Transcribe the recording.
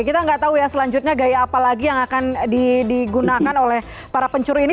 kita nggak tahu ya selanjutnya gaya apa lagi yang akan digunakan oleh para pencuri ini